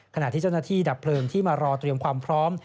ขณะที่เจ้าหน้าที่ดับเพลิงที่มารอเตรียมความพร้อม